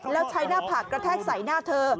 แล้วใช้หน้าผากกระแทกใส่หน้าเธอ